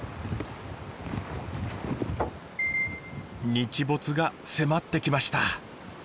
日没が迫ってきました。